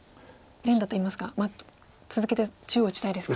連打といいますか続けて中央打ちたいですか。